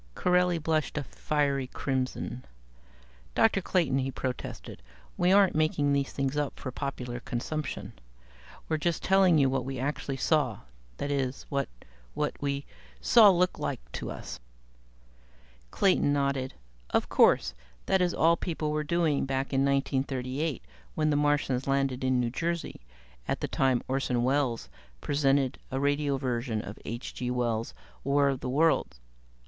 Corelli blushed a fiery crimson. "Dr. Clayton," he protested, "we aren't making these things up for popular consumption. We're just telling you what we actually saw that is what what we saw looked like to us." Clayton nodded. "Of course. That is all people were doing back in 1938 when the Martians landed in New Jersey, at the time Orson Welles presented a radio version of H. G. Wells' 'War of the Worlds'.